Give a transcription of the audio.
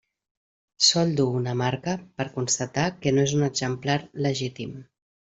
Sol dur una marca per constatar que no és un exemplar legítim.